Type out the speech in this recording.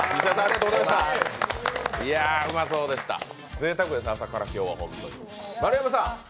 ぜいたくですね、朝から今日は。